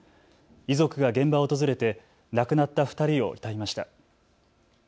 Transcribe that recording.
遺族が現場を訪れて亡くなった２人を悼みました。